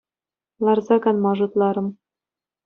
Ларса канма шутларӑм.